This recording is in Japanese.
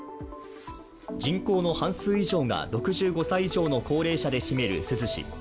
人口の半数以上が６５歳以上の高齢者で占める珠洲市。